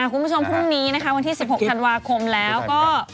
คุณผู้ชมพรุ่งนี้นะคะวันที่๑๖ธันวาคมแล้วก็